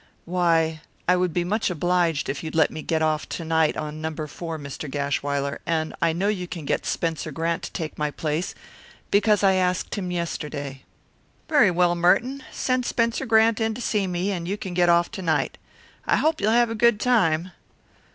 "Why, I would be much obliged if you'd let me get off to night on No. 4, Mr. Gashwiler, and I know you can get Spencer Grant to take my place, because I asked him yester day." "Very well, Merton. Send Spencer Grant in to see me, and you can get off to night. I hope you'll have a good time."